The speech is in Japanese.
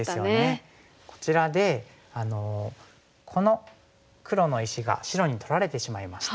こちらでこの黒の石が白に取られてしまいました。